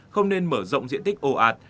không nên mở rộng diện tích ồ ạt